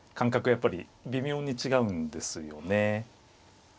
やっぱり微妙に違うんですよね。